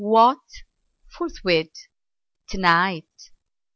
What! forthwith? tonight?